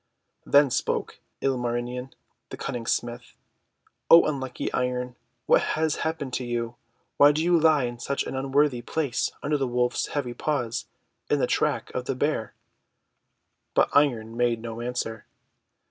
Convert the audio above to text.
Then spoke Ilmarinen the Cunning Smith :— :<O unlucky Iron, what has happened to you? Why do you lie in such an unworthy place, under the Wolf's heavy paws, in the track of the Bear?" But Iron made no answer.